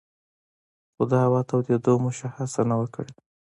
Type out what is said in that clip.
خو د هوا تودېدو مشخصه نه وه کړې